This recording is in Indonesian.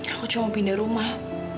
aku cuma pindah rumah